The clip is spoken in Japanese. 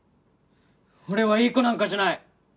俺はいい子なんかじゃない！